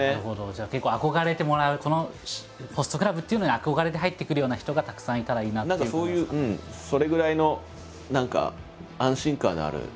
じゃあ結構憧れてもらうこのホストクラブっていうのに憧れて入ってくるような人がたくさんいたらいいなっていう感じなんですかね。